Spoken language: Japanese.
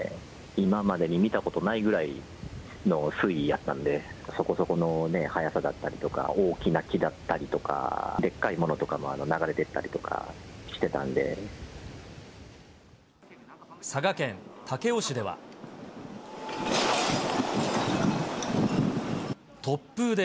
今までに見たことないぐらいの水位やったんで、そこそこの速さだったりとか、大きな木だったりとか、でっかいものとかも流れてったりとかしてたんで。